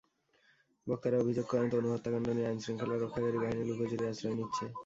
বক্তারা অভিযোগ করেন, তনু হত্যাকাণ্ড নিয়ে আইনশৃঙ্খলা রক্ষাকারী বাহিনী লুকোচুরির আশ্রয় নিচ্ছে।